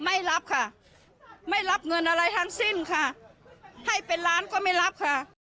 ไม่รับค่ะไม่รับเงินอะไรทั้งสิ้นค่ะให้เป็นล้านก็ไม่รับค่ะ